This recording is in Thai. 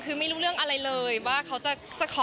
คือไม่รู้อะไรเลยว่าจะขอ